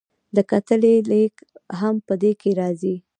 د کتلې لیږد هم په دې کې راځي.